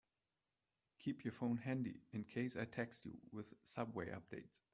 Keep your phone handy in case I text you with subway updates.